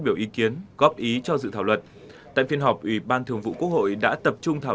biểu ý kiến góp ý cho dự thảo luật tại phiên họp ủy ban thường vụ quốc hội đã tập trung thảo